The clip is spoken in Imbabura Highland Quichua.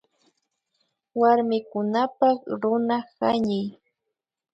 Warmikunapak Runa hañiy